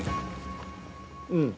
うん！